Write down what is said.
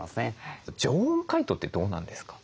常温解凍ってどうなんですか？